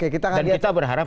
dan kita berharap